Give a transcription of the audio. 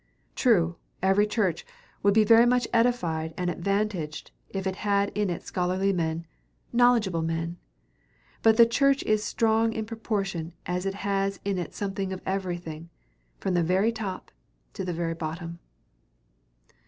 True, every church would be very much edified and advantaged if it had in it scholarly men, knowledgeable men; but the church is strong in proportion as it has in it something of everything, from the very top to the very bottom.